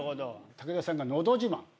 武田さんが「のど自慢」。